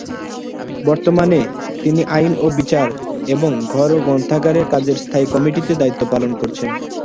বর্তমানে, তিনি আইন ও বিচার, এবং ঘর ও গ্রন্থাগারের কাজের স্থায়ী কমিটিতে দায়িত্ব পালন করছেন।